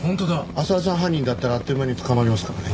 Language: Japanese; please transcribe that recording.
浅輪さんが犯人だったらあっという間に捕まりますからね。